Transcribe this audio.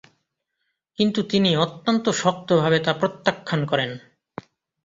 কিন্তু তিনি অত্যন্ত শক্তভাবে তা প্রত্যাখ্যান করেন।